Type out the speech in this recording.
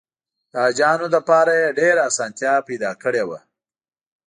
د حاجیانو لپاره یې ډېره اسانتیا پیدا کړې وه.